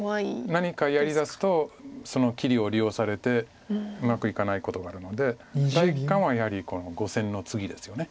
何かやりだすとその切りを利用されてうまくいかないことがあるので第一感はやはりこの５線のツギですよね。